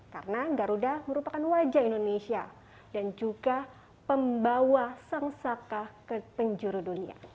karena garuda merupakan wajah indonesia dan juga pembawa sengsaka ke penjuru dunia